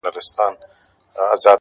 ته يې بد ايسې;